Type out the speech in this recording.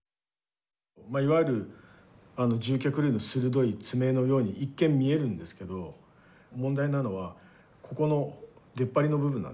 いわゆる獣脚類の鋭い爪のように一見見えるんですけど問題なのはここの出っ張りの部分なんですよね。